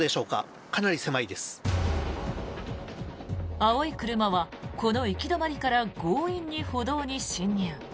青い車はこの行き止まりから強引に歩道に進入。